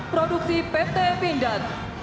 produksi pt pindad